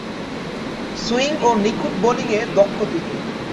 Swing ও নিখুঁত বোলিংয়ে দক্ষ তিনি।